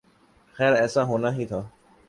خیر ایسا ہونا ہی تھا۔